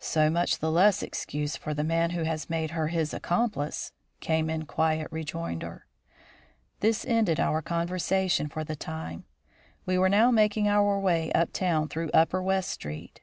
"So much the less excuse for the man who has made her his accomplice," came in quiet rejoinder. This ended our conversation for the time. We were now making our way up town through upper West Street.